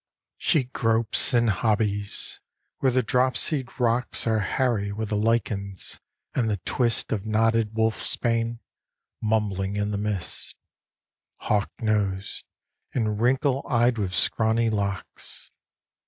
She gropes and hobbies, where the dropsied rocks Are hairy with the lichens and the twist Of knotted wolf's bane, mumbling in the mist, Hawk nosed and wrinkle eyed with scrawny locks.